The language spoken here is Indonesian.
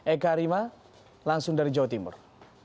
eka arima langsung dari jawa timur